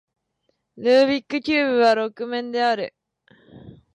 ルービックキューブは六面である